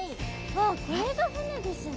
わっこれが船ですね。